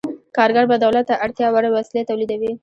کارګر به دولت ته اړتیا وړ وسلې تولیدوي.